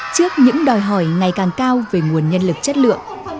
trước những đòi hỏi ngày càng cao về nguồn nhân lực chất lượng